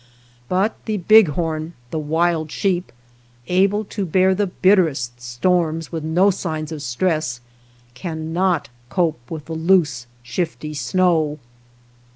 But the bighorn, the wild sheep, able to bear the bitterest storms with no signs of stress, cannot cope with the loose shifty snow.